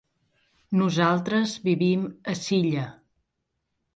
Nosaltres vivim a Silla.